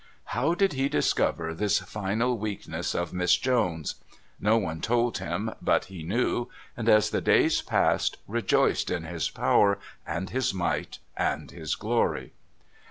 How did he discover this final weakness of Miss Jones? No one told him; but he knew, and, as the days passed, rejoiced in his power and his might and his glory.